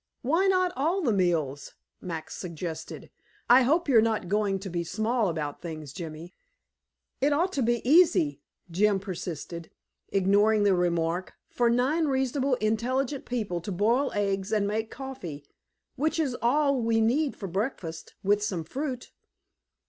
"Why not all the meals?" Max suggested. "I hope you're not going to be small about things, Jimmy." "It ought to be easy," Jim persisted, ignoring the remark, "for nine reasonably intelligent people to boil eggs and make coffee, which is all we need for breakfast, with some fruit."